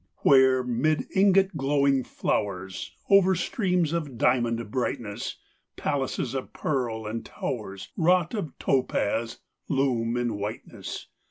Where, 'mid ingot glowing flowers, Over streams of diamond brightness, Palaces of pearl and towers, Wrought of topaz, loom in whiteness.